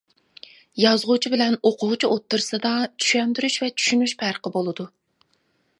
يازغۇچى بىلەن ئوقۇغۇچى ئوتتۇرىسىدا چۈشەندۈرۈش ۋە چۈشىنىش پەرقى بولىدۇ.